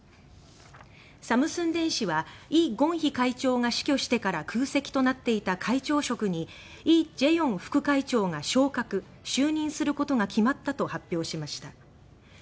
サムスン電子は李健熙会長が死去してから空席となっていた会長職に李在鎔副会長が昇格・就任することが決まったと発表しました。